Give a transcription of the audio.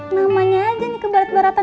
namanya aja nih kebarat baratan